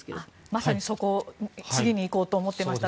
まさにそこ次に行こうと思ってました。